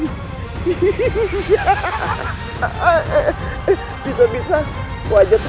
ketika kandung terjatuh